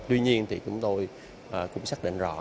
tuy nhiên thì chúng tôi cũng xác định rõ